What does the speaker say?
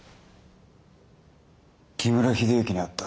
木村秀幸に会った。